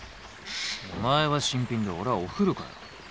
お前は新品で俺はお古かよ。